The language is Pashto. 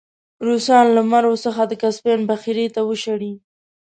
روسان له مرو څخه د کسپین بحیرې ته وشړی.